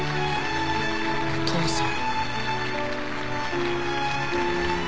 父さん。